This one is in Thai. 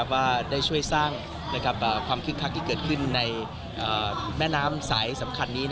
ว่าได้ช่วยสร้างความคึกคักที่เกิดขึ้นในแม่น้ำสายสำคัญนี้